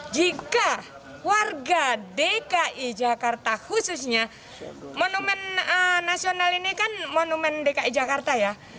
jika warga dki jakarta khususnya monumen nasional ini kan monumen dki jakarta ya